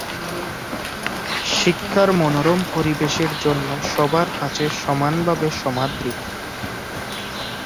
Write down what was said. শিক্ষার মনোরম পরিবেশের জন্য সবার কাছে সমানভাবে সমাদৃত।